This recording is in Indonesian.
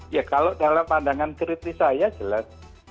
ya kalau dalam pandangan kritis saya jelas